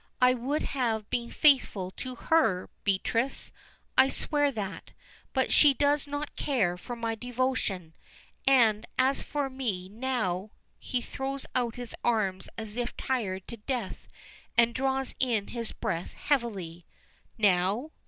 I would have been faithful to her, Beatrice. I swear that, but she does not care for my devotion. And as for me, now " He throws out his arms as if tired to death, and draws in his breath heavily. "Now?"